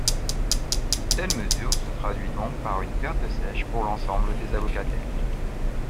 Une telle mesure se traduit donc par une perte sèche pour l’ensemble des allocataires.